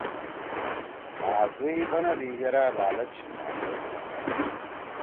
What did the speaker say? آں دُوئی بندی یرأ لالچ مائیا۔